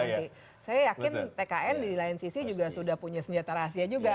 saya yakin tkn di lain sisi juga sudah punya senjata rahasia juga